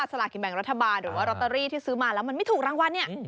สลากินแบ่งรัฐบาลหรือว่าลอตเตอรี่ที่ซื้อมาแล้วมันไม่ถูกรางวัลเนี่ย